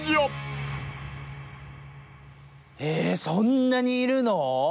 そんなにいるの！？